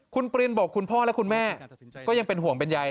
คุณปรินบอกคุณพ่อและคุณแม่ก็ยังเป็นห่วงเป็นใย